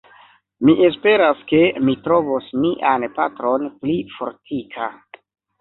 Mi esperas, ke mi trovos mian patron pli fortika.